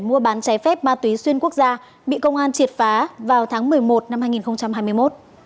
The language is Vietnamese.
mua bán trái phép ma túy xuyên quốc gia bị công an triệt phá vào tháng một mươi một năm hai nghìn hai mươi một